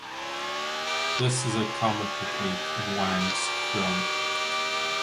This is a common technique in Wang's film.